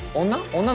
女？